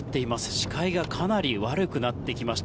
視界がかなり悪くなってきました。